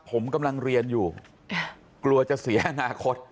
ผมกำลังเรียนอยู่กลัวจะเสียอนาคต